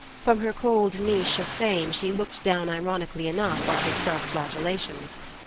From her cold niche of fame she looked down ironically enough on his self flagellations....